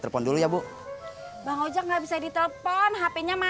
terus siap up big watch